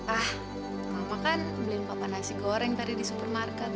ah mama kan beli empapa nasi goreng tadi di supermarket